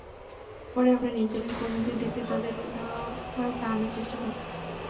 পরে আমরা নিজেরাই কর্মীদের ডেকে তাদের ধাওয়া করে তাড়ানোর চেষ্টা করি।